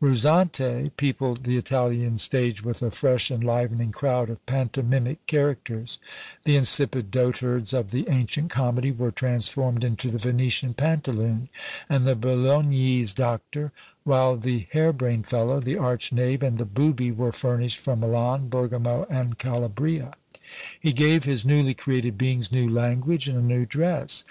Ruzzante peopled the Italian stage with a fresh enlivening crowd of pantomimic characters; the insipid dotards of the ancient comedy were transformed into the Venetian Pantaloon and the Bolognese Doctor; while the hare brained fellow, the arch knave, and the booby, were furnished from Milan, Bergamo, and Calabria. He gave his newly created beings new language and a new dress.